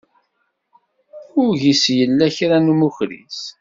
Ur g-is yella kra n umukris.